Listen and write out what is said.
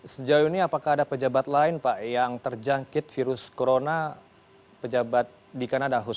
sejauh ini apakah ada pejabat lain yang terjangkit virus corona di kanada